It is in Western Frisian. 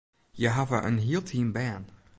Hja hawwe in hiel team bern.